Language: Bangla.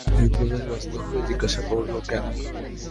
বিপ্রদাস ব্যস্ত হয়ে জিজ্ঞাসা করল, কেন?